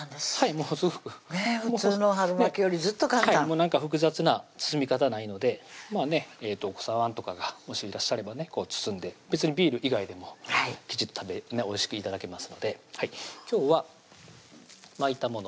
もうすぐ普通の春巻きよりずっと簡単複雑な包み方ないのでお子さまとかがもしいらっしゃればね包んで別にビール以外でもきちっとおいしく頂けますので今日は巻いたもの